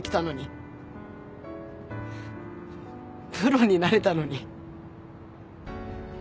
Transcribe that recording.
プロになれたのに。